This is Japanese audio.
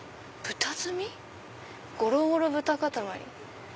「豚積みゴロゴロ豚かたまり」。